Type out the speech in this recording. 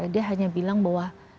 dia hanya bilang bahwa